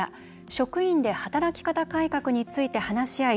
「職員で働き方改革について話し合い